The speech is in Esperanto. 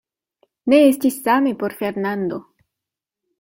Ne estis same por Fernando.